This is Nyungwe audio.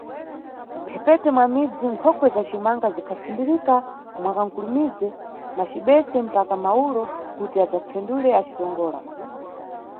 Mphepete mwa midzi nkhokwe za cimanga zingatsindirika mwa ka mkulumize macibese mpaka mawulo kuti adzafendule acitongola.